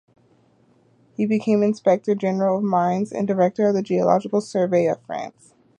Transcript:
He became inspector-general of mines, and director of the Geological Survey of France.